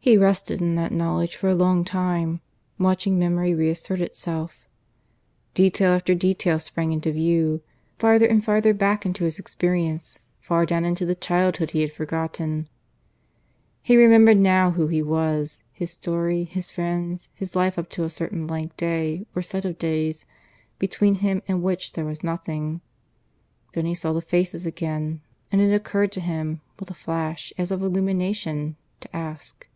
He rested in that knowledge for a long time, watching memory reassert itself. Detail after detail sprang into view: farther and farther back into his experience, far down into the childhood he had forgotten. He remembered now who he was, his story, his friends, his life up to a certain blank day or set of days, between him and which there was nothing. Then he saw the faces again, and it occurred to him, with a flash as of illumination, to ask.